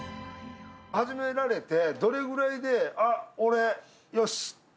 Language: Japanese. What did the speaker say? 始められてどれぐらいで、俺、よしっ！